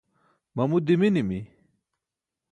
mamu diminimi